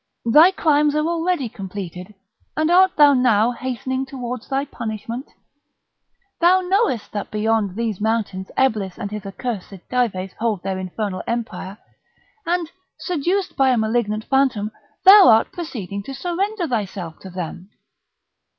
Thy crimes are already completed, and art thou now hastening towards thy punishment? Thou knowest that beyond these mountains Eblis and his accursed Dives hold their infernal empire; and, seduced by a malignant phantom, thou art proceeding to surrender thyself to them!